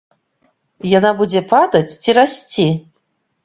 Яна будзе падаць ці расці?